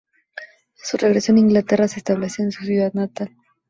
A su regreso en Inglaterra, se establece en su ciudad natal.